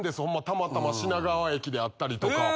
たまたま品川駅で会ったりとか。